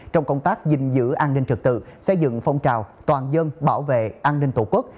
trong công tác dình dữ an ninh trực tự xây dựng phong trào toàn dân bảo vệ an ninh tổ quốc